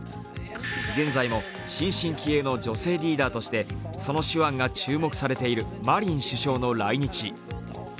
減税の新進気鋭の女性リーダーとしてその手腕が注目されているマリン首相の来日。